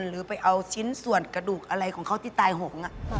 หรือไปเอาชิ้นส่วนกระดูกอะไรของเขาที่ตายหง